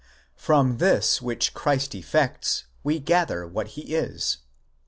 From this which Christ effects, we gather what he is.